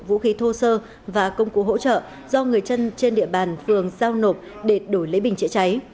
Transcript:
vũ khí thô sơ và công cụ hỗ trợ do người chân trên địa bàn phường giao nộp để đổi lấy bình chữa cháy